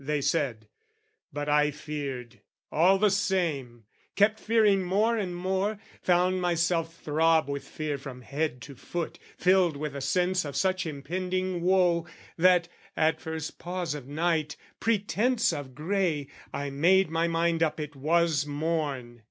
they said but I Feared, all the same, kept fearing more and more, Found myself throb with fear from head to foot, Filled with a sense of such impending woe, That, at first pause of night, pretence of grey, I made my mind up it was morn.